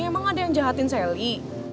emang ada yang jahatin sally